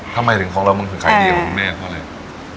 ทำไมถึงของเรามันขายเดียวของแม่เพราะอะไร